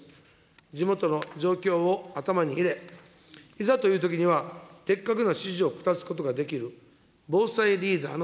地元の状況を頭に入れ、いざというときには的確な指示を下すことができる防災リーダーの